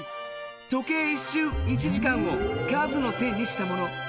時計１しゅう１時間を数の線にしたもの。